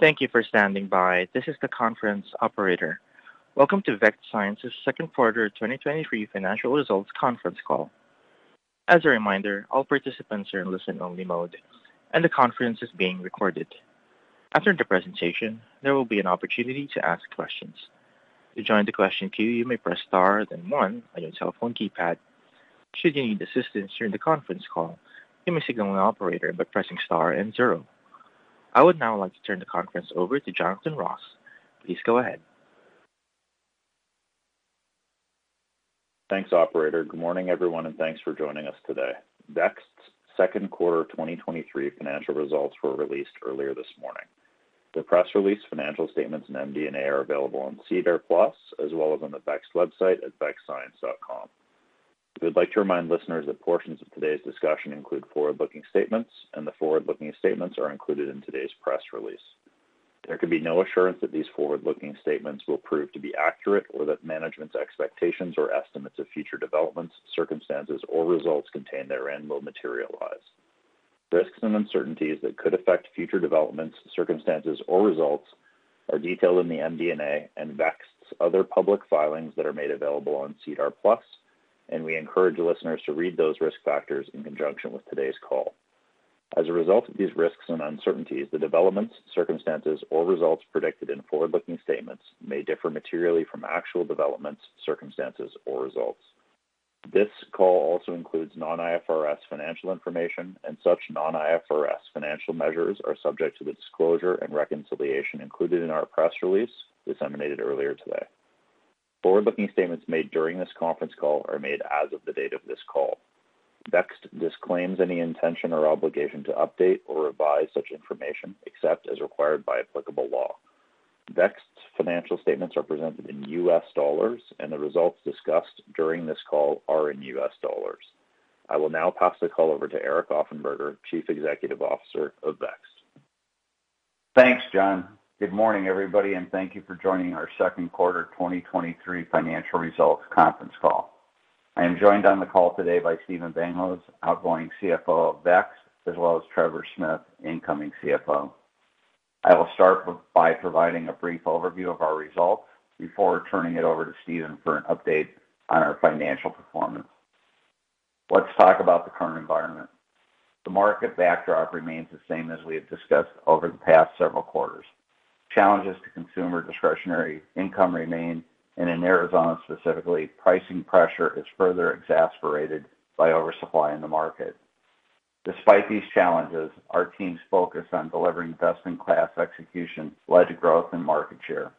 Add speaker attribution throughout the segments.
Speaker 1: Thank you for standing by. This is the conference operator. Welcome to Vext Science Second Quarter 2023 Financial Results Conference Call. As a reminder, all participants are in listen-only mode, and the conference is being recorded. After the presentation, there will be an opportunity to ask questions. To join the question queue, you may press Star, then 1 on your telephone keypad. Should you need assistance during the conference call, you may signal an operator by pressing Star and 0. I would now like to turn the conference over to Jonathan Ross. Please go ahead.
Speaker 2: Thanks, operator. Good morning, everyone, and thanks for joining us today. Vext's second quarter 2023 financial results were released earlier this morning. The press release, financial statements, and MD&A are available on SEDAR+, as well as on the Vext website at vextscience.com. We would like to remind listeners that portions of today's discussion include forward-looking statements. The forward-looking statements are included in today's press release. There can be no assurance that these forward-looking statements will prove to be accurate or that management's expectations or estimates of future developments, circumstances, or results contained therein will materialize. Risks and uncertainties that could affect future developments, circumstances, or results are detailed in the MD&A and Vext's other public filings that are made available on SEDAR+. We encourage listeners to read those risk factors in conjunction with today's call. As a result of these risks and uncertainties, the developments, circumstances, or results predicted in forward-looking statements may differ materially from actual developments, circumstances, or results. This call also includes non-IFRS financial information, such non-IFRS financial measures are subject to the disclosure and reconciliation included in our press release disseminated earlier today. Forward-looking statements made during this conference call are made as of the date of this call. Vext disclaims any intention or obligation to update or revise such information, except as required by applicable law. Vext's financial statements are presented in U.S. dollars, the results discussed during this call are in U.S. dollars. I will now pass the call over to Eric Offenberger, Chief Executive Officer of Vext.
Speaker 3: Thanks, John. Good morning, everybody, thank you for joining our second quarter 2023 financial results conference call. I am joined on the call today by Stephan Bankosz, outgoing CFO of Vext, as well as Trevor Smith, incoming CFO. I will start by providing a brief overview of our results before turning it over to Stephan for an update on our financial performance. Let's talk about the current environment. The market backdrop remains the same as we have discussed over the past several quarters. Challenges to consumer discretionary income remain, in Arizona, specifically, pricing pressure is further exasperated by oversupply in the market. Despite these challenges, our team's focus on delivering best-in-class execution led to growth and market share.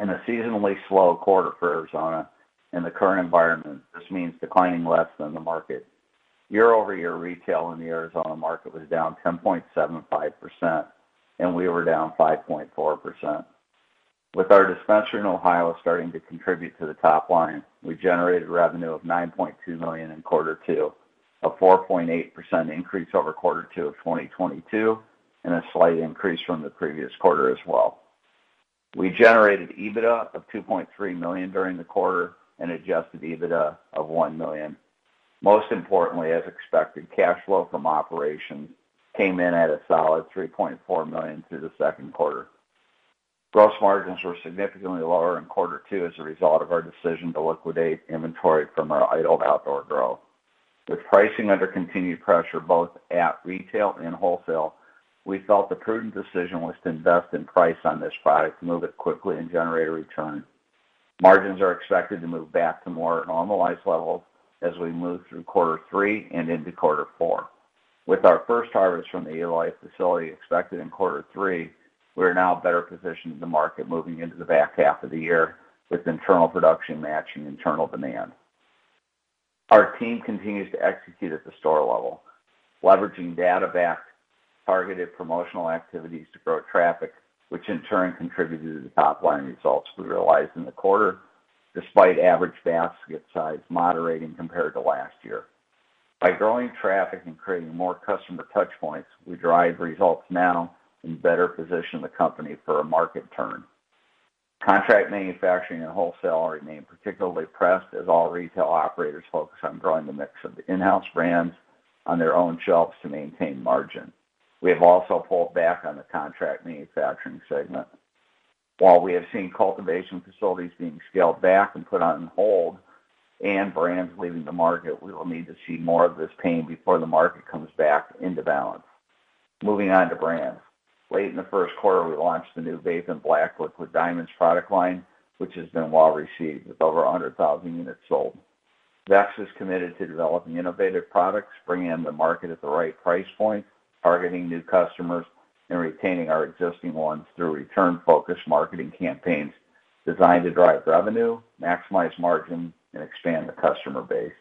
Speaker 3: In a seasonally slow quarter for Arizona, in the current environment, this means declining less than the market. Year-over-year retail in the Arizona market was down 10.75%, and we were down 5.4%. With our dispensary in Ohio starting to contribute to the top line, we generated revenue of $9.2 million in quarter two, a 4.8% increase over quarter two of 2022, and a slight increase from the previous quarter as well. We generated EBITDA of $2.3 million during the quarter and Adjusted EBITDA of $1 million. Most importantly, as expected, cash flow from operations came in at a solid $3.4 million through the second quarter. Gross margins were significantly lower in quarter two as a result of our decision to liquidate inventory from our idled outdoor growth. With pricing under continued pressure, both at retail and wholesale, we felt the prudent decision was to invest in price on this product, move it quickly and generate a return. Margins are expected to move back to more normalized levels as we move through quarter three and into quarter four. With our first harvest from the Eloy facility expected in quarter three, we are now better positioned in the market moving into the back half of the year, with internal production matching internal demand. Our team continues to execute at the store level, leveraging data-backed, targeted promotional activities to grow traffic, which in turn contributed to the top-line results we realized in the quarter, despite average basket size moderating compared to last year. By growing traffic and creating more customer touchpoints, we drive results now and better position the company for a market turn. Contract manufacturing and wholesale remain particularly pressed as all retail operators focus on growing the mix of in-house brands on their own shelves to maintain margin. We have also pulled back on the contract manufacturing segment. While we have seen cultivation facilities being scaled back and put on hold and brands leaving the market, we will need to see more of this pain before the market comes back into balance. Moving on to brands. Late in the first quarter, we launched the new Vapen Black Liquid Diamonds product line, which has been well received, with over 100,000 units sold. Vext is committed to developing innovative products, bringing in the market at the right price point, targeting new customers, and retaining our existing ones through return-focused marketing campaigns designed to drive revenue, maximize margin, and expand the customer base.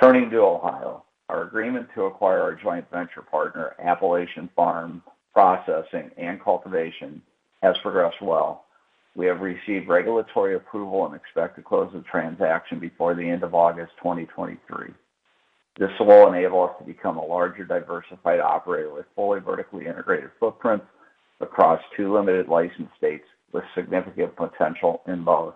Speaker 3: Turning to Ohio, our agreement to acquire our joint venture partner, Appalachian Pharm Processing and cultivation, has progressed well. We have received regulatory approval and expect to close the transaction before the end of August 2023. This will enable us to become a larger, diversified operator with fully vertically integrated footprints across two limited license states with significant potential in both.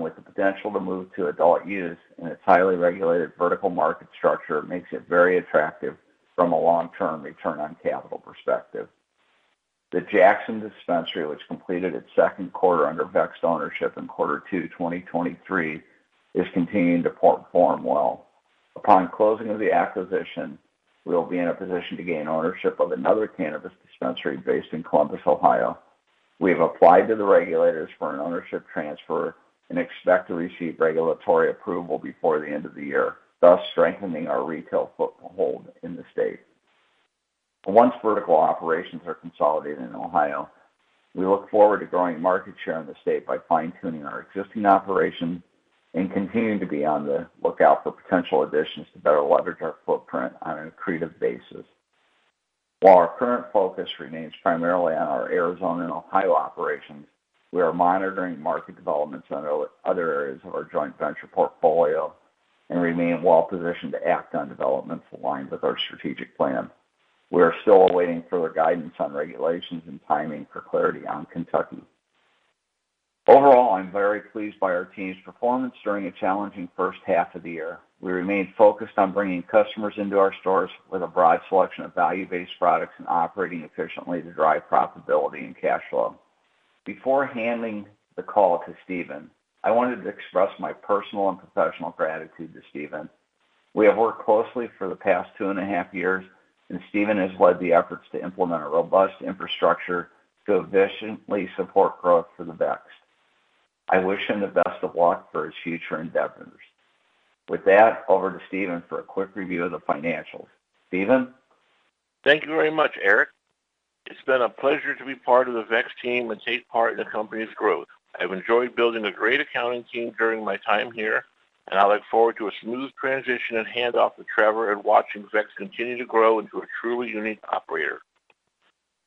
Speaker 3: With the potential to move to adult use and its highly regulated vertical market structure, makes it very attractive from a long-term return on capital perspective. The Jackson Dispensary, which completed its second quarter under Vext ownership in quarter 2, 2023, is continuing to perform well. Upon closing of the acquisition, we will be in a position to gain ownership of another cannabis dispensary based in Columbus, Ohio. We have applied to the regulators for an ownership transfer and expect to receive regulatory approval before the end of the year, thus strengthening our retail foothold in the state. Once vertical operations are consolidated in Ohio, we look forward to growing market share in the state by fine-tuning our existing operations and continuing to be on the lookout for potential additions to better leverage our footprint on an accretive basis. While our current focus remains primarily on our Arizona and Ohio operations, we are monitoring market developments in other areas of our joint venture portfolio and remain well positioned to act on developments aligned with our strategic plan. We are still awaiting further guidance on regulations and timing for clarity on Kentucky. Overall, I'm very pleased by our team's performance during a challenging first half of the year. We remain focused on bringing customers into our stores with a broad selection of value-based products and operating efficiently to drive profitability and cash flow. Before handing the call to Stephan, I wanted to express my personal and professional gratitude to Stephan. We have worked closely for the past 2 and a half years, and Stephan has led the efforts to implement a robust infrastructure to efficiently support growth for the Vext. I wish him the best of luck for his future endeavors. With that, over to Stephan for a quick review of the financials. Stephan?
Speaker 4: Thank you very much, Eric. It's been a pleasure to be part of the Vext team and take part in the company's growth. I've enjoyed building a great accounting team during my time here, and I look forward to a smooth transition and handoff to Trevor and watching Vext continue to grow into a truly unique operator.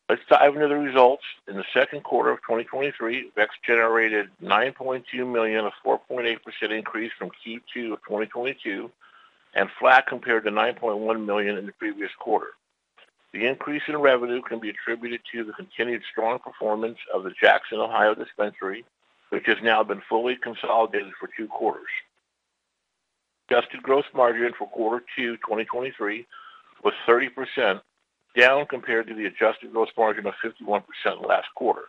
Speaker 4: Let's dive into the results. In the second quarter of 2023, Vext generated $9.2 million, a 4.8% increase from Q2 2022, and flat compared to $9.1 million in the previous quarter. The increase in revenue can be attributed to the continued strong performance of the Jackson, Ohio, dispensary, which has now been fully consolidated for two quarters. Adjusted Gross Margin for Q2 2023 was 30%, down compared to the Adjusted Gross Margin of 51% last quarter.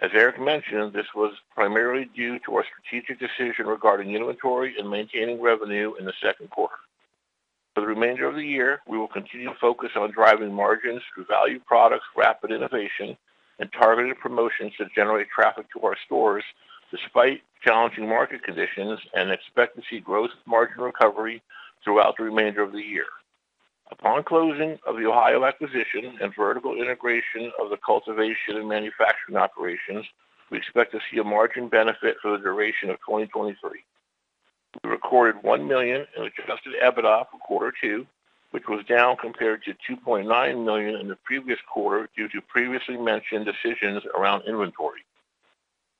Speaker 4: As Eric mentioned, this was primarily due to our strategic decision regarding inventory and maintaining revenue in the second quarter. For the remainder of the year, we will continue to focus on driving margins through value products, rapid innovation, and targeted promotions that generate traffic to our stores despite challenging market conditions, and expect to see gross margin recovery throughout the remainder of the year. Upon closing of the Ohio acquisition and vertical integration of the cultivation and manufacturing operations, we expect to see a margin benefit for the duration of 2023. We recorded $1 million in Adjusted EBITDA for quarter two, which was down compared to $2.9 million in the previous quarter due to previously mentioned decisions around inventory.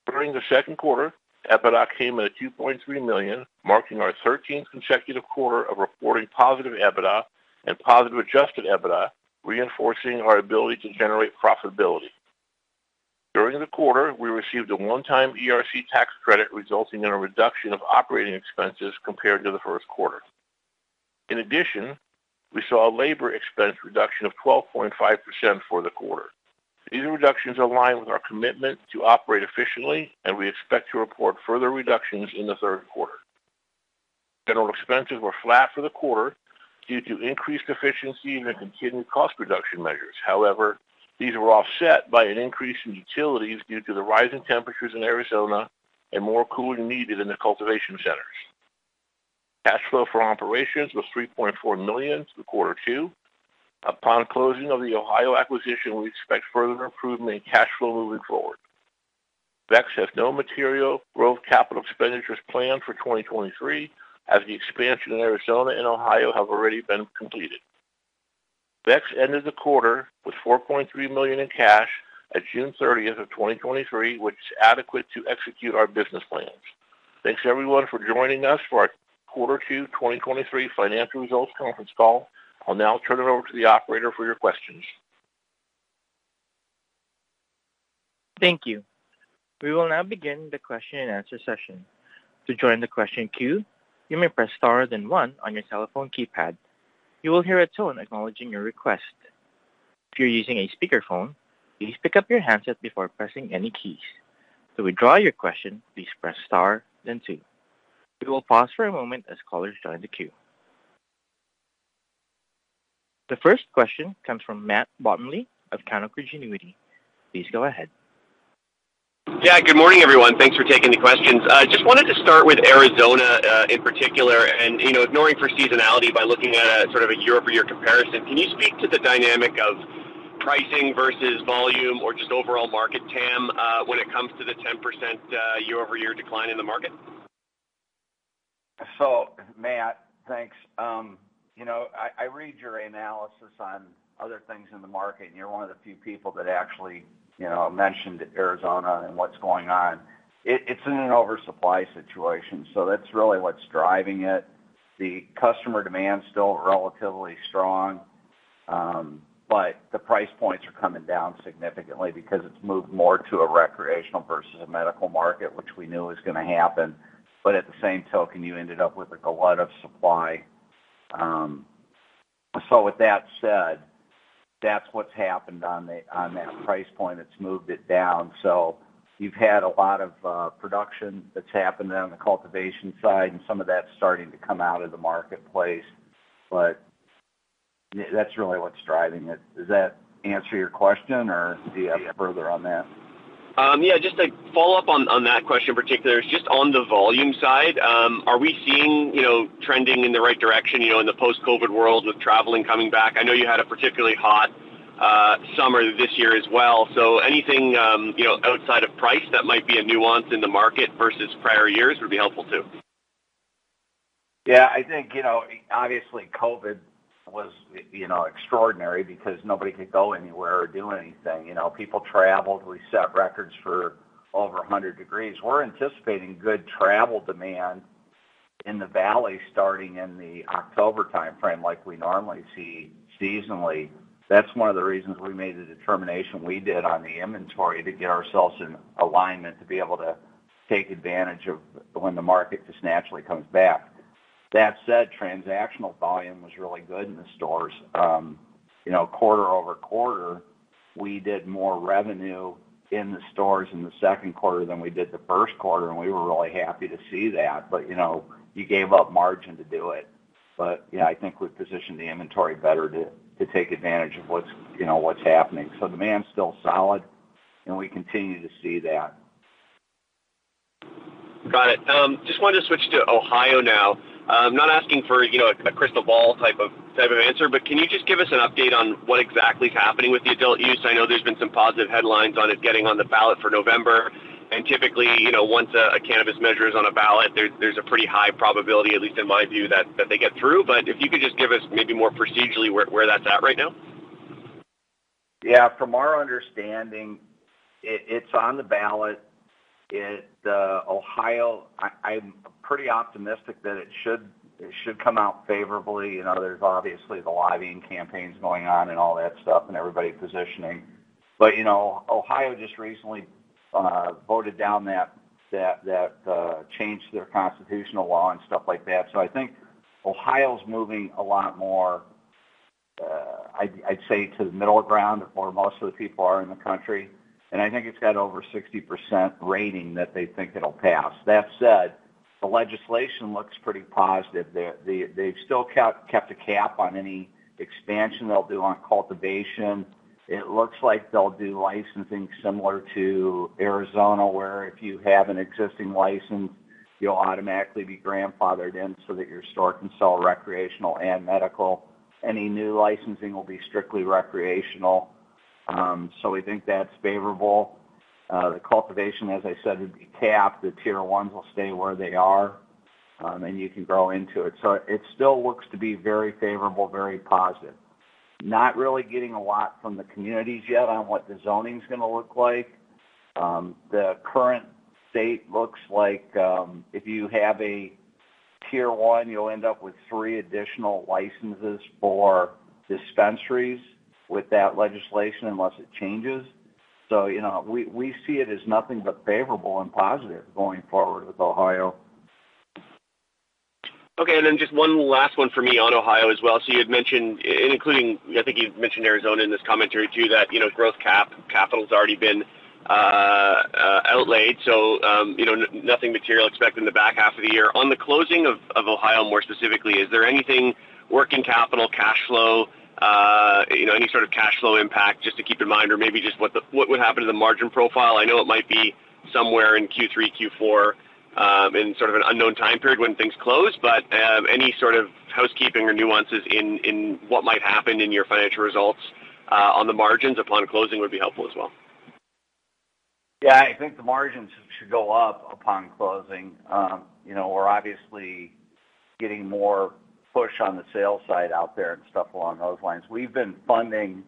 Speaker 4: During the second quarter, EBITDA came in at $2.3 million, marking our 13th consecutive quarter of reporting positive EBITDA and positive Adjusted EBITDA, reinforcing our ability to generate profitability. During the quarter, we received a one-time Employee Retention Credit, resulting in a reduction of operating expenses compared to the first quarter. In addition, we saw a labor expense reduction of 12.5% for the quarter. These reductions align with our commitment to operate efficiently, and we expect to report further reductions in the third quarter. General expenses were flat for the quarter due to increased efficiency and continued cost reduction measures. However, these were offset by an increase in utilities due to the rising temperatures in Arizona and more cooling needed in the cultivation centers. Cash flow for operations was $3.4 million for quarter two. Upon closing of the Ohio acquisition, we expect further improvement in cash flow moving forward. Vext has no material growth capital expenditures planned for 2023, as the expansion in Arizona and Ohio have already been completed. Vext ended the quarter with $4.3 million in cash at June 30th of 2023, which is adequate to execute our business plans. Thanks, everyone, for joining us for our quarter 2 2023 financial results conference call. I'll now turn it over to the operator for your questions.
Speaker 1: Thank you. We will now begin the question-and-answer session. To join the question queue, you may press star, then one on your telephone keypad. You will hear a tone acknowledging your request. If you're using a speakerphone, please pick up your handset before pressing any keys. To withdraw your question, please press star, then two. We will pause for a moment as callers join the queue. The first question comes from Matt Bottomley of Canaccord Genuity. Please go ahead.
Speaker 5: Yeah, good morning, everyone. Thanks for taking the questions. I just wanted to start with Arizona, in particular, and, you know, ignoring for seasonality by looking at a sort of a year-over-year comparison, can you speak to the dynamic of pricing versus volume or just overall market TAM, when it comes to the 10% year-over-year decline in the market?
Speaker 3: Matt, thanks. you know, I, I read your analysis on other things in the market, and you're one of the few people that actually, you know, mentioned Arizona and what's going on. It's in an oversupply situation, so that's really what's driving it. The customer demand is still relatively strong. The price points are coming down significantly because it's moved more to a recreational versus a medical market, which we knew was gonna happen. At the same token, you ended up with a lot of supply. With that said, that's what's happened on that price point. It's moved it down. You've had a lot of production that's happened on the cultivation side, and some of that's starting to come out of the marketplace, but yeah, that's really what's driving it. Does that answer your question, or do you have further on that?
Speaker 5: Yeah, just to follow up on, on that question in particular, just on the volume side, are we seeing, you know, trending in the right direction, you know, in the post-COVID world with traveling coming back? I know you had a particularly hot summer this year as well, anything, you know, outside of price that might be a nuance in the market versus prior years would be helpful, too.
Speaker 3: Yeah, I think, you know, obviously, COVID was, you know, extraordinary because nobody could go anywhere or do anything. You know, people traveled. We set records for over 100 degrees. We're anticipating good travel demand in the valley, starting in the October time frame, like we normally see seasonally. That's one of the reasons we made the determination we did on the inventory to get ourselves in alignment, to be able to take advantage of when the market just naturally comes back. That said, transactional volume was really good in the stores. You know, quarter-over-quarter, we did more revenue in the stores in the second quarter than we did the first quarter, and we were really happy to see that. You know, you gave up margin to do it. Yeah, I think we've positioned the inventory better to, to take advantage of what's, you know, what's happening. Demand's still solid, and we continue to see that.
Speaker 5: Got it. Just wanted to switch to Ohio now. I'm not asking for, you know, a crystal ball type of, type of answer, can you just give us an update on what exactly is happening with the adult use? I know there's been some positive headlines on it getting on the ballot for November. Typically, you know, once a, a cannabis measure is on a ballot, there's, there's a pretty high probability, at least in my view, that, that they get through. If you could just give us maybe more procedurally, where, where that's at right now.
Speaker 3: Yeah, from our understanding, it, it's on the ballot. Ohio, I, I'm pretty optimistic that it should, it should come out favorably. You know, there's obviously the lobbying campaigns going on and all that stuff and everybody positioning. You know, Ohio just recently voted down that, that, that, changed their constitutional law and stuff like that. I think Ohio's moving a lot more, I'd, I'd say, to the middle ground, where most of the people are in the country, and I think it's got over 60% rating that they think it'll pass. That said, the legislation looks pretty positive. They, they've still kept, kept a cap on any expansion they'll do on cultivation. It looks like they'll do licensing similar to Arizona, where if you have an existing license, you'll automatically be grandfathered in so that your store can sell recreational and medical. Any new licensing will be strictly recreational. So we think that's favorable. The cultivation, as I said, would be capped. The Tier 1s will stay where they are, and you can grow into it. So it still looks to be very favorable, very positive. Not really getting a lot from the communities yet on what the zoning is gonna look like. The current state looks like, if you have a Tier 1, you'll end up with three additional licenses for dispensaries with that legislation, unless it changes. So, you know, we, we see it as nothing but favorable and positive going forward with Ohio.
Speaker 5: Okay, just one last one for me on Ohio as well. You had mentioned, including, I think you mentioned Arizona in this commentary, too, that, you know, growth capital's already been outlaid, so, you know, nothing material expected in the back half of the year. On the closing of, of Ohio, more specifically, is there anything, working capital, cash flow, you know, any sort of cash flow impact just to keep in mind or maybe just what would happen to the margin profile? I know it might be somewhere in Q3, Q4, in sort of an unknown time period when things close, but any sort of housekeeping or nuances in, in what might happen in your financial results, on the margins upon closing would be helpful as well.
Speaker 3: Yeah, I think the margins should go up upon closing. you know, we're obviously getting more push on the sales side out there and stuff along those lines. We've been funding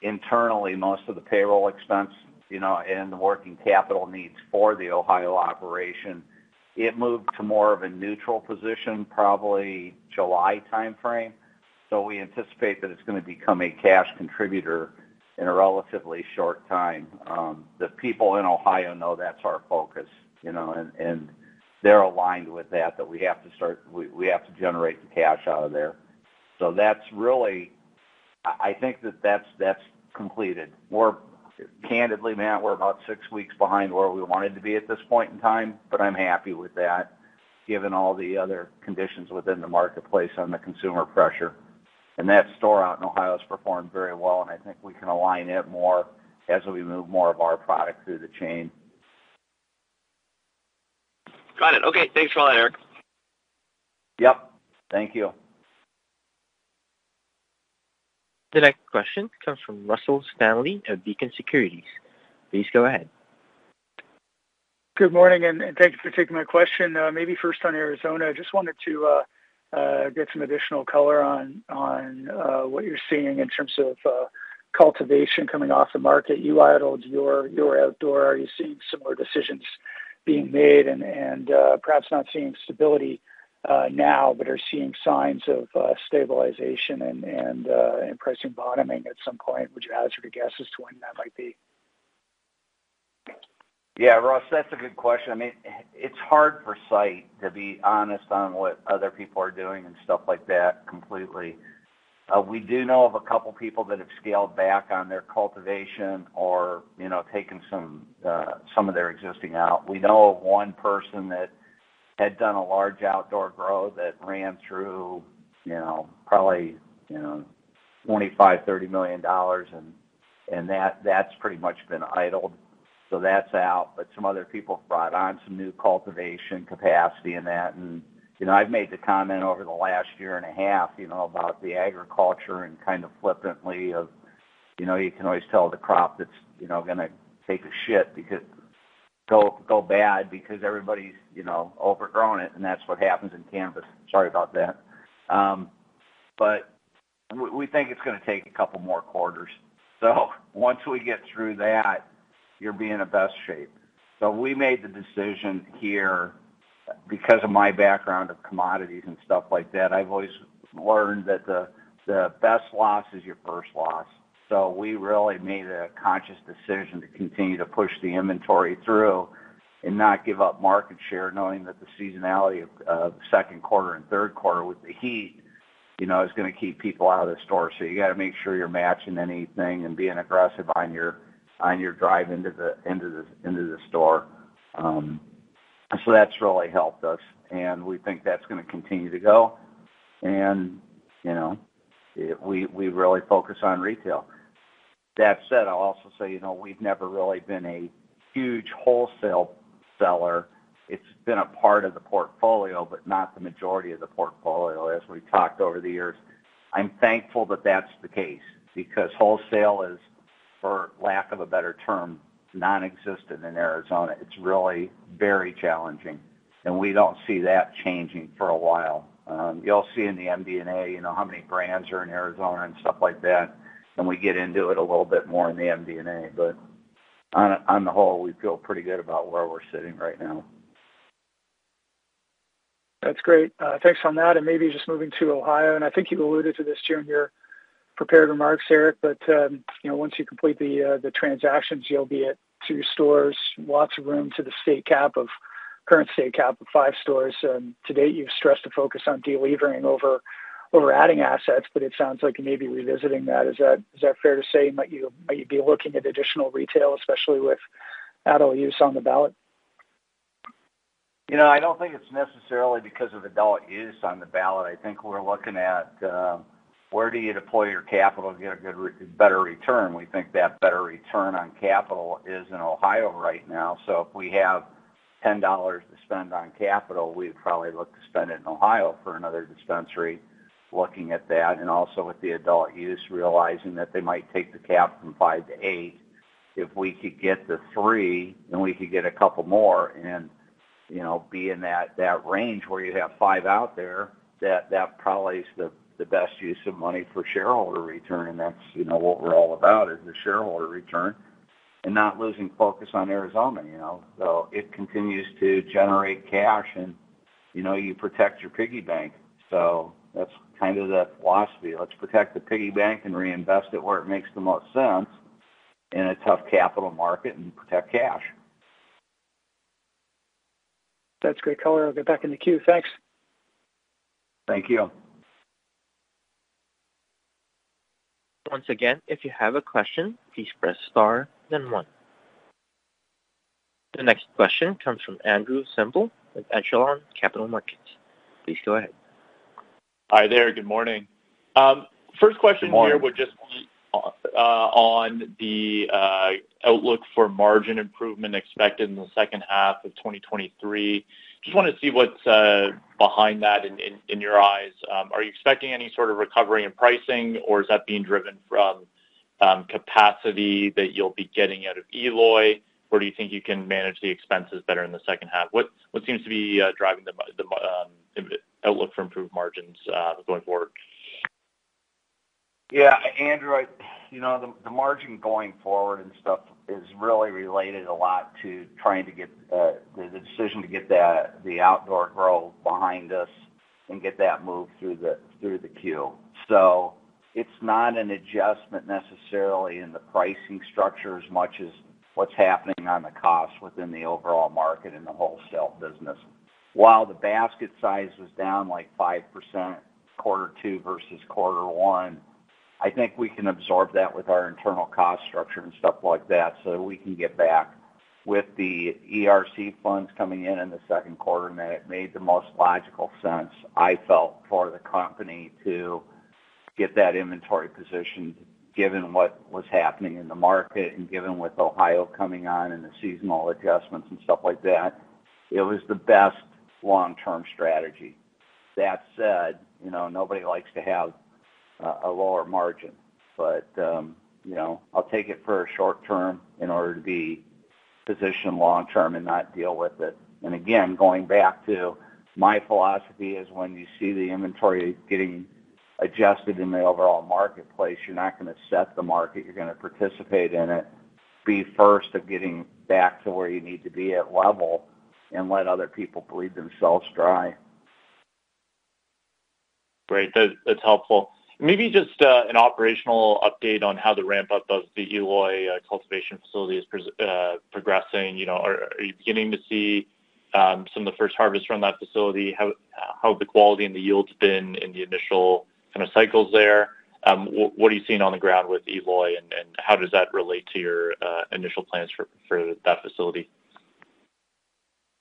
Speaker 3: internally most of the payroll expense, you know, and the working capital needs for the Ohio operation. It moved to more of a neutral position, probably July timeframe, so we anticipate that it's gonna become a cash contributor in a relatively short time. the people in Ohio know that's our focus, you know, and, and they're aligned with that, that we have to generate the cash out of there. That's really... I think that that's, that's completed. Candidly, Matt, we're about 6 weeks behind where we wanted to be at this point in time, but I'm happy with that, given all the other conditions within the marketplace on the consumer pressure. That store out in Ohio has performed very well, and I think we can align it more as we move more of our product through the chain.
Speaker 5: Got it. Okay, thanks for all that, Eric.
Speaker 3: Yep. Thank you.
Speaker 1: The next question comes from Russell Stanley of Beacon Securities. Please go ahead.
Speaker 6: Good morning, and thank you for taking my question. Maybe first on Arizona, I just wanted to get some additional color on what you're seeing in terms of cultivation coming off the market. You idled your outdoor. Are you seeing similar decisions being made and perhaps not seeing stability now, but are seeing signs of stabilization and pricing bottoming at some point? Would you add your guess as to when that might be?
Speaker 3: Yeah, Ross, that's a good question. I mean, it's hard for sight, to be honest, on what other people are doing and stuff like that completely. We do know of a couple people that have scaled back on their cultivation or, you know, taken some, some of their existing out. We know of one person that had done a large outdoor growth that ran through, you know, probably, you know, $25 million-$30 million, and, and that- that's pretty much been idled, so that's out. Some other people brought on some new cultivation capacity in that. You know, I've made the comment over the last year and a half, you know, about the agriculture and kind of flippantly of, you know, you can always tell the crop that's, you know, gonna take a shit go, go bad because everybody's, you know, overgrowing it, and that's what happens in cannabis. Sorry about that. But we, we think it's gonna take a couple more quarters. Once we get through that, you'll be in the best shape. We made the decision here because of my background of commodities and stuff like that. I've always learned that the, the best loss is your first loss. We really made a conscious decision to continue to push the inventory through and not give up market share, knowing that the seasonality of, of second quarter and third quarter with the heat, you know, is gonna keep people out of the store. You got to make sure you're matching anything and being aggressive on your, on your drive into the, into the, into the store. That's really helped us, and we think that's gonna continue to go. You know, we, we really focus on retail. That said, I'll also say, you know, we've never really been a huge wholesale seller. It's been a part of the portfolio, but not the majority of the portfolio, as we've talked over the years. I'm thankful that that's the case because wholesale is, for lack of a better term, nonexistent in Arizona. It's really very challenging, and we don't see that changing for a while. You'll see in the MD&A, you know, how many brands are in Arizona and stuff like that, and we get into it a little bit more in the MD&A. On, on the whole, we feel pretty good about where we're sitting right now.
Speaker 6: That's great. Thanks on that. Maybe just moving to Ohio, I think you alluded to this during your prepared remarks, Eric, but, you know, once you complete the transactions, you'll be at two stores, lots of room to the state cap of-- current state cap of five stores. To date, you've stressed the focus on delevering over, over adding assets, but it sounds like you may be revisiting that. Is that, is that fair to say? Might you, might you be looking at additional retail, especially with adult use on the ballot?
Speaker 3: You know, I don't think it's necessarily because of adult use on the ballot. I think we're looking at where do you deploy your capital to get a good better return? We think that better return on capital is in Ohio right now. If we have $10 to spend on capital, we'd probably look to spend it in Ohio for another dispensary. Looking at that, also with the adult use, realizing that they might take the cap from 5-8. If we could get to 3, we could get a couple more and, you know, be in that, that range where you have 5 out there, that, that probably is the, the best use of money for shareholder return. That's, you know, what we're all about, is the shareholder return and not losing focus on Arizona, you know? It continues to generate cash and, you know, you protect your piggy bank. That's kind of the philosophy. Let's protect the piggy bank and reinvest it where it makes the most sense in a tough capital market and protect cash.
Speaker 6: That's great color. I'll get back in the queue. Thanks.
Speaker 3: Thank you.
Speaker 1: Once again, if you have a question, please press Star, then One. The next question comes from Andrew Semple with Echelon Wealth Partners. Please go ahead.
Speaker 7: Hi there. Good morning. First question.
Speaker 3: Good morning.
Speaker 7: -here would just be, on the outlook for margin improvement expected in the second half of 2023. Just wanted to see what's behind that in, in, in your eyes. Are you expecting any sort of recovery in pricing, or is that being driven from capacity that you'll be getting out of Eloy? Or do you think you can manage the expenses better in the second half? What, what seems to be driving the outlook for improved margins going forward?
Speaker 3: Yeah, Andrew, you know, the, the margin going forward and stuff is really related a lot to trying to get, the decision to get the, the outdoor growth behind us and get that moved through the, through the queue. It's not an adjustment necessarily in the pricing structure, as much as what's happening on the cost within the overall market and the wholesale business. While the basket size was down, like, 5% quarter 2 versus quarter 1, I think we can absorb that with our internal cost structure and stuff like that, so we can get back. With the ERC funds coming in in the second quarter, and that it made the most logical sense, I felt, for the company to get that inventory positioned, given what was happening in the market and given with Ohio coming on and the seasonal adjustments and stuff like that, it was the best long-term strategy. That said, you know, nobody likes to have a lower margin, but, you know, I'll take it for a short term in order to be positioned long term and not deal with it. Again, going back to my philosophy is when you see the inventory getting adjusted in the overall marketplace. You're not going to set the market, you're going to participate in it, be first of getting back to where you need to be at level and let other people bleed themselves dry.
Speaker 7: Great, that, that's helpful. Maybe just an operational update on how the ramp-up of the Eloy cultivation facility is progressing. You know, are, are you beginning to see some of the first harvests from that facility? How, how the quality and the yields been in the initial kind of cycles there? What, what are you seeing on the ground with Eloy, and, and how does that relate to your initial plans for, for that facility?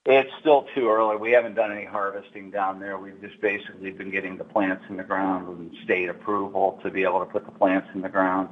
Speaker 3: It's still too early. We haven't done any harvesting down there. We've just basically been getting the plants in the ground and state approval to be able to put the plants in the ground.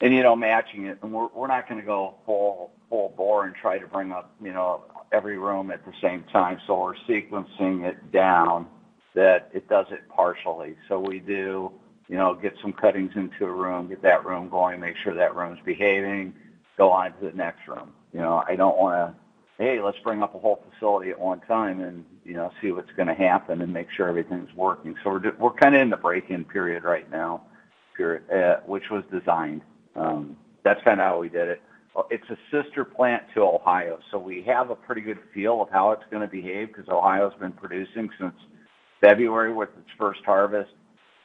Speaker 3: You know, matching it. We're, we're not going to go full, full bore and try to bring up, you know, every room at the same time. We're sequencing it down that it does it partially. We do, you know, get some cuttings into a room, get that room going, make sure that room's behaving, go on to the next room. You know, I don't want to, "Hey, let's bring up a whole facility at one time and, you know, see what's going to happen and make sure everything's working." We're just-- we're kind of in the break-in period right now, which was designed. That's kind of how we did it. It's a sister plant to Ohio, we have a pretty good feel of how it's going to behave, because Ohio's been producing since February with its first harvest,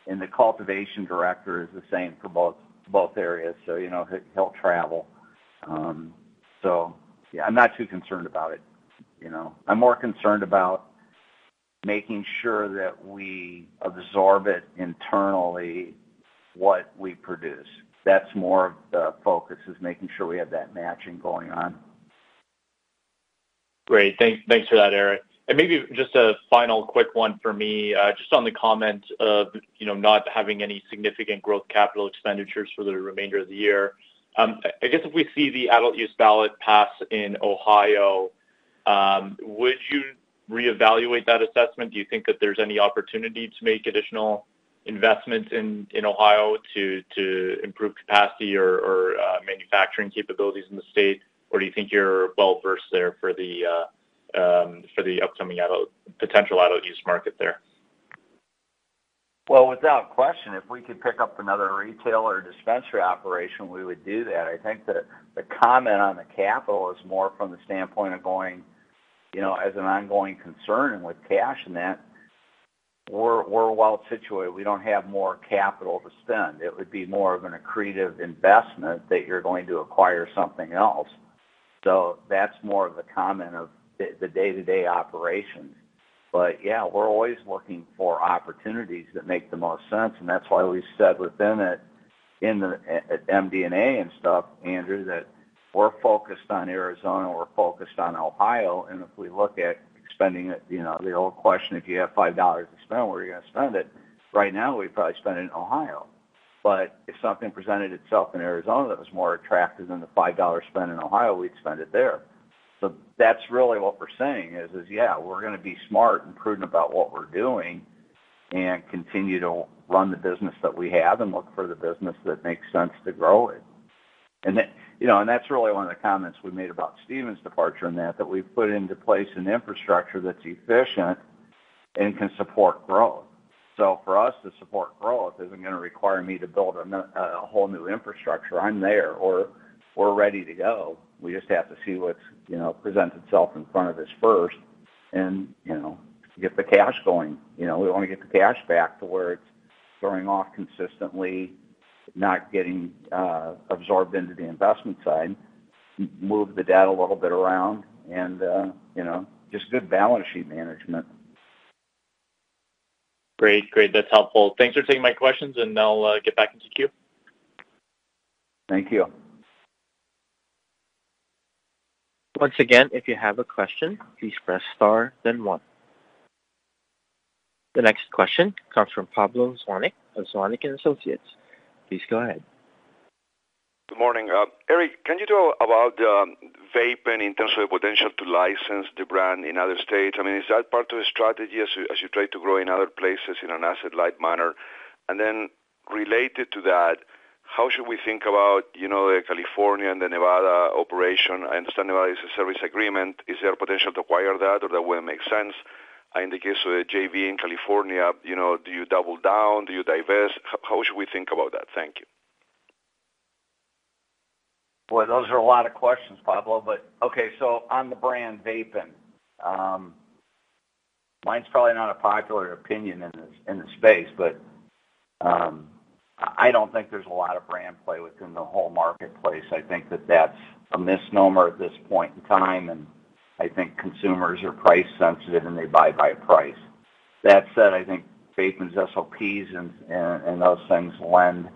Speaker 3: and the cultivation director is the same for both areas. You know, he, he'll travel. Yeah, I'm not too concerned about it, you know. I'm more concerned about making sure that we absorb it internally, what we produce. That's more of the focus, is making sure we have that matching going on.
Speaker 7: Great. Thank, thanks for that, Eric. Maybe just a final quick one for me, just on the comment of, you know, not having any significant growth capital expenditures for the remainder of the year. I guess if we see the adult use ballot pass in Ohio, would you reevaluate that assessment? Do you think that there's any opportunity to make additional investments in, in Ohio to, to improve capacity or, or manufacturing capabilities in the state? Do you think you're well versed there for the potential adult use market there?
Speaker 3: Well, without question, if we could pick up another retail or dispensary operation, we would do that. I think that the comment on the capital is more from the standpoint of going, you know, as an ongoing concern and with cash and that, we're, we're well situated. We don't have more capital to spend. It would be more of an accretive investment that you're going to acquire something else. That's more of the comment of the, the day-to-day operations. Yeah, we're always looking for opportunities that make the most sense, and that's why we said within it, at MD&A and stuff, Andrew, that we're focused on Arizona, we're focused on Ohio, and if we look at spending it, you know, the old question: If you have $5 to spend, where are you going to spend it? Right now, we'd probably spend it in Ohio. If something presented itself in Arizona that was more attractive than the $5 spent in Ohio, we'd spend it there. That's really what we're saying is, yeah, we're going to be smart and prudent about what we're doing and continue to run the business that we have and look for the business that makes sense to grow it. You know, that's really one of the comments we made about Stephan's departure and that, that we've put into place an infrastructure that's efficient and can support growth. For us to support growth isn't going to require me to build a whole new infrastructure. I'm there, or we're ready to go. We just have to see what's, you know, presents itself in front of us first and, you know, get the cash going. You know, we want to get the cash back to where it's throwing off consistently, not getting, absorbed into the investment side, move the debt a little bit around and, you know, just good balance sheet management.
Speaker 7: Great, great. That's helpful. Thanks for taking my questions, and I'll get back into queue.
Speaker 3: Thank you.
Speaker 1: Once again, if you have a question, please press Star, then One. The next question comes from Pablo Zuanic of Zuanic & Associates. Please go ahead.
Speaker 8: Good morning. Eric, can you talk about Vapen in terms of the potential to license the brand in other states? I mean, is that part of the strategy as you, as you try to grow in other places in an asset-light manner? Then related to that, how should we think about, you know, the California and the Nevada operation? I understand Nevada is a service agreement. Is there a potential to acquire that, or that would make sense? In the case of a JV in California, you know, do you double down? Do you diverse? How should we think about that? Thank you.
Speaker 3: Boy, those are a lot of questions, Pablo. Okay, on the brand Vapen, mine's probably not a popular opinion in the, in the space, I don't think there's a lot of brand play within the whole marketplace. I think that that's a misnomer at this point in time, I think consumers are price sensitive, they buy by price. That said, I think Vapen's SOPs and those things lend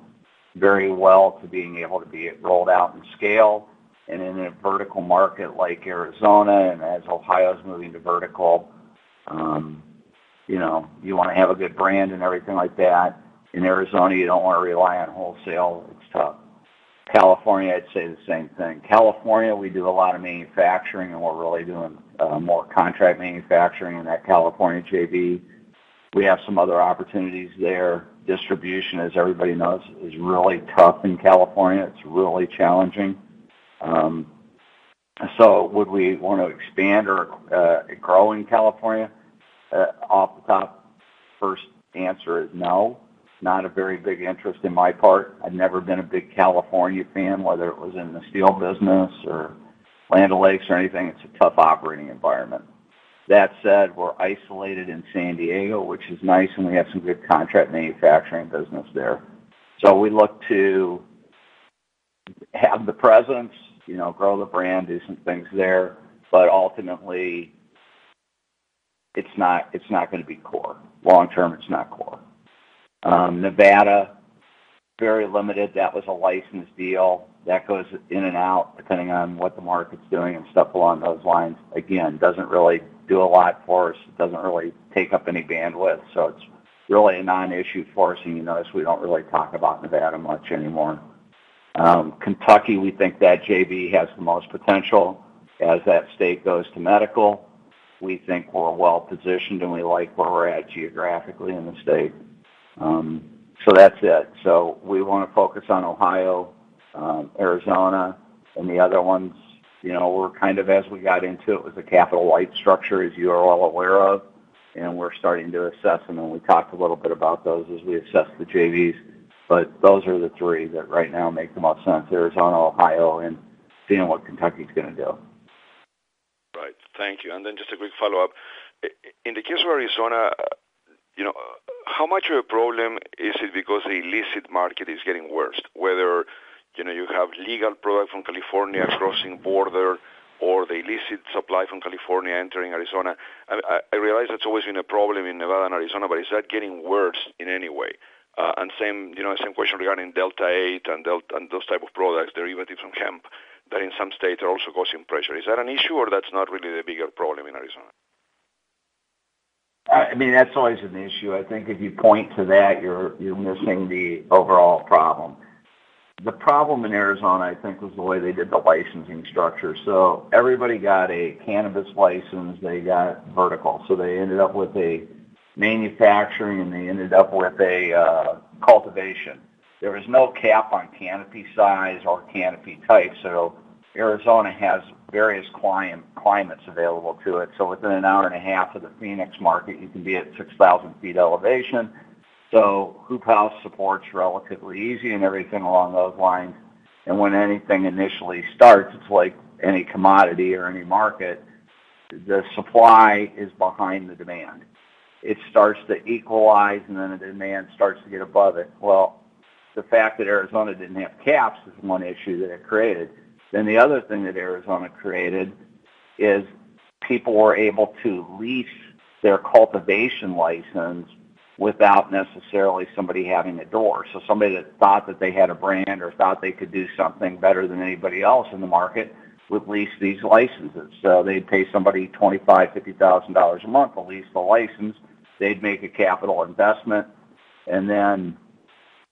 Speaker 3: very well to being able to be rolled out and scale. In a vertical market like Arizona, as Ohio is moving to vertical, you know, you want to have a good brand and everything like that. In Arizona, you don't want to rely on wholesale. It's tough. California, I'd say the same thing. California, we do a lot of manufacturing, we're really doing more contract manufacturing in that California JV. We have some other opportunities there. Distribution, as everybody knows, is really tough in California. It's really challenging. Would we want to expand or grow in California? Off the top, first answer is no, not a very big interest in my part. I've never been a big California fan, whether it was in the steel business or Land O'Lakes or anything. It's a tough operating environment. That said, we're isolated in San Diego, which is nice, we have some good contract manufacturing business there. We look to have the presence, you know, grow the brand, do some things there, but ultimately, it's not, it's not going to be core. Long term, it's not core. Nevada, very limited. That was a licensed deal that goes in and out, depending on what the market's doing and stuff along those lines. Again, doesn't really do a lot for us. It doesn't really take up any bandwidth, so it's really a non-issue for us, and you notice we don't really talk about Nevada much anymore. Kentucky, we think that JV has the most potential. As that state goes to medical, we think we're well positioned, and we like where we're at geographically in the state. That's it. We want to focus on Ohio, Arizona, and the other ones, you know, we're kind of as we got into it, with the capital light structure, as you are all aware of, and we're starting to assess them, and we talked a little bit about those as we assess the JVs. Those are the 3 that right now make the most sense, Arizona, Ohio, and seeing what Kentucky is going to do.
Speaker 8: Right. Thank you, then just a quick follow-up. In the case of Arizona, you know, how much of a problem is it because the illicit market is getting worse? Whether, you know, you have legal products from California crossing border or the illicit supply from California entering Arizona. I, I realize that's always been a problem in Nevada and Arizona, but is that getting worse in any way? Same, you know, same question regarding Delta-8 and those type of products, derivatives from hemp, that in some states are also causing pressure. Is that an issue, or that's not really the bigger problem in Arizona?
Speaker 3: I mean, that's always an issue. I think if you point to that, you're missing the overall problem. The problem in Arizona, I think, was the way they did the licensing structure. Everybody got a cannabis license, they got vertical. They ended up with a manufacturing, and they ended up with a cultivation. There was no cap on canopy size or canopy type, so Arizona has various climates available to it. Within an hour and a half of the Phoenix market, you can be at 6,000 feet elevation. Hoop house support's relatively easy and everything along those lines. When anything initially starts, it's like any commodity or any market, the supply is behind the demand. It starts to equalize, and then the demand starts to get above it. Well, the fact that Arizona didn't have caps is one issue that it created. The other thing that Arizona created is people were able to lease their cultivation license without necessarily somebody having a door. Somebody that thought that they had a brand or thought they could do something better than anybody else in the market would lease these licenses. They'd pay somebody $25,000-$50,000 a month to lease the license. They'd make a capital investment, and then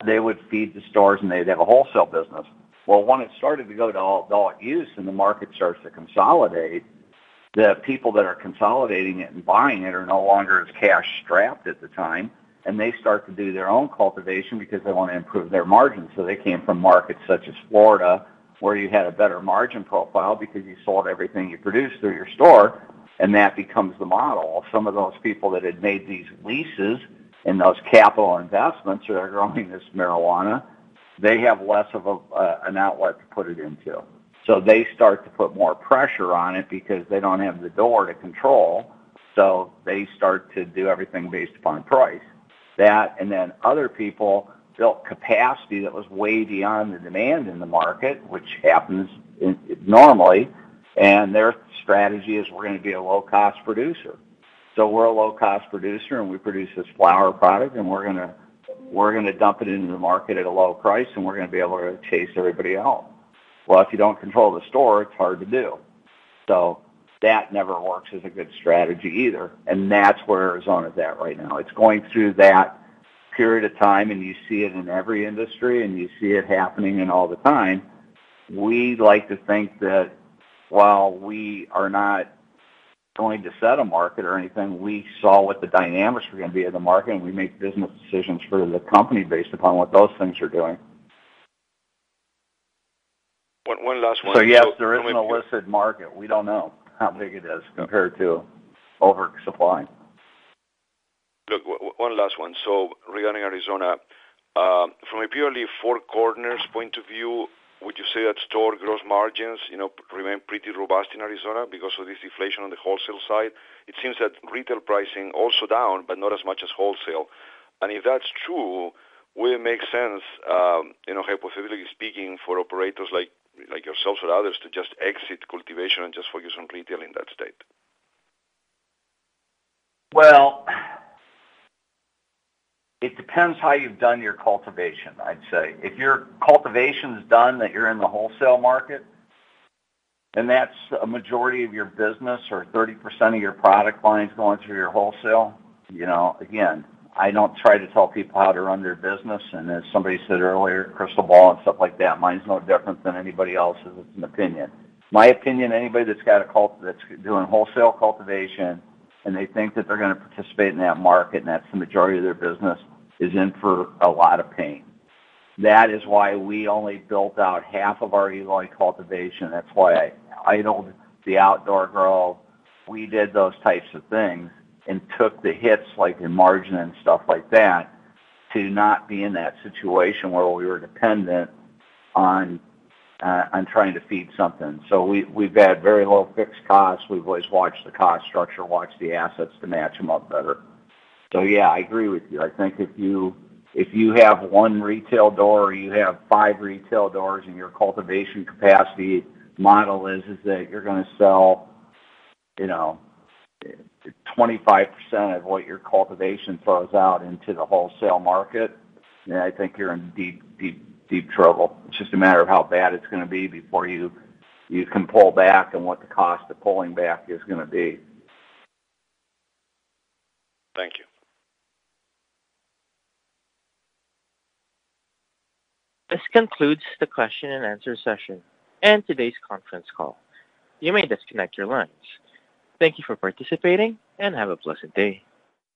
Speaker 3: they would feed the stores, and they'd have a wholesale business. Well, when it started to go to all adult use and the market starts to consolidate, the people that are consolidating it and buying it are no longer as cash strapped at the time, and they start to do their own cultivation because they want to improve their margins. They came from markets such as Florida, where you had a better margin profile because you sold everything you produced through your store, and that becomes the model. Some of those people that had made these leases and those capital investments are growing this marijuana, they have less of an outlet to put it into. They start to put more pressure on it because they don't have the door to control, so they start to do everything based upon price. Other people built capacity that was way beyond the demand in the market, which happens normally, and their strategy is: We're going to be a low-cost producer. We're a low-cost producer, and we produce this flower product, and we're gonna dump it into the market at a low price, and we're gonna be able to chase everybody out. Well, if you don't control the store, it's hard to do. That never works as a good strategy either, that's where Arizona is at right now. It's going through that period of time, you see it in every industry, you see it happening in all the time. We like to think that while we are not going to set a market or anything, we saw what the dynamics were going to be in the market, we make business decisions for the company based upon what those things are doing.
Speaker 8: One, one last one-
Speaker 3: Yes, there is an illicit market. We don't know how big it is compared to oversupply.
Speaker 8: Look, one last one. Regarding Arizona, from a purely four corners point of view, would you say that store gross margins, you know, remain pretty robust in Arizona because of this deflation on the wholesale side? It seems that retail pricing also down, but not as much as wholesale. If that's true, will it make sense, you know, hypothetically speaking, for operators like yourselves or others, to just exit cultivation and just focus on retail in that state?
Speaker 3: Well, it depends how you've done your cultivation, I'd say. If your cultivation is done, that you're in the wholesale market, and that's a majority of your business or 30% of your product line is going through your wholesale, you know, again, I don't try to tell people how to run their business, and as somebody said earlier, crystal ball and stuff like that, mine's no different than anybody else's opinion. My opinion, anybody that's doing wholesale cultivation, and they think that they're going to participate in that market, and that's the majority of their business, is in for a lot of pain. That is why we only built out half of our Eloy cultivation. That's why I idled the outdoor girl. We did those types of things and took the hits, like in margin and stuff like that, to not be in that situation where we were dependent on, on trying to feed something. We, we've had very low fixed costs. We've always watched the cost structure, watched the assets to match them up better. Yeah, I agree with you. I think if you, if you have one retail door, or you have five retail doors, and your cultivation capacity model is, is that you're gonna sell, you know, 25% of what your cultivation throws out into the wholesale market, then I think you're in deep, deep, deep trouble. It's just a matter of how bad it's gonna be before you, you can pull back and what the cost of pulling back is gonna be.
Speaker 8: Thank you.
Speaker 1: This concludes the question-and-answer session and today's conference call. You may disconnect your lines. Thank you for participating and have a pleasant day.